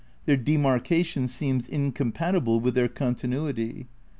Their demarcation seems in compatible with their continuity.